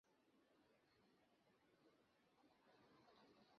তিনি তাড়াতাড়ি চিঠিটার ভাঁজ খুলে ফেললেন।